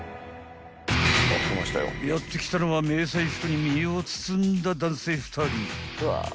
［やって来たのは迷彩服に身を包んだ男性２人］